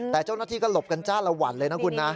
แต่เจ้าหน้าที่ก็หลบกันจ้าละวันเลยนะคุณนะ